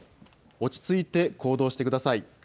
落ち着いて行動してください。